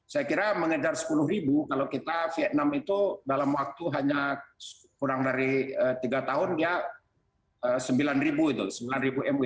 saya kira mengejar sepuluh kalau kita vietnam itu dalam waktu hanya kurang dari tiga tahun ya sembilan mw